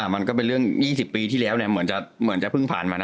มันก็เป็นเรื่อง๒๐ปีที่แล้วเหมือนจะเพิ่งผ่านมานะ